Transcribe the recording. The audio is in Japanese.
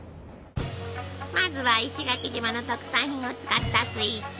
まずは石垣島の特産品を使ったスイーツ！